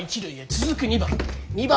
続く２番。